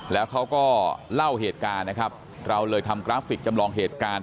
แล้วเขาก็เล่าเหตุการณ์นะครับเราเลยทำกราฟิกจำลองเหตุการณ์